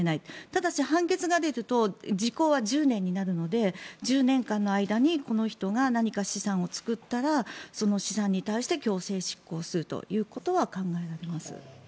ただ、判決が出ると時効は１０年になるので１０年間の間にこの人が何か資産を作ったらその資産に対して強制執行するということは考えられます。